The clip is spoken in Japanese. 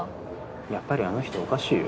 やっぱりあの人おかしいよ。